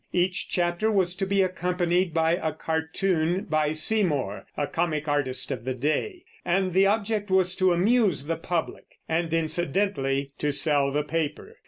Each chapter was to be accompanied by a cartoon by Seymor (a comic artist of the day), and the object was to amuse the public, and, incidentally, to sell the paper.